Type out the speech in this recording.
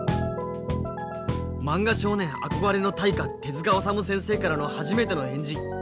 まんが少年憧れの大家手治虫先生からの初めての返事。